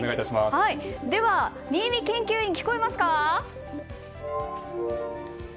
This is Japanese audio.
では、新美研究員聞こえますか？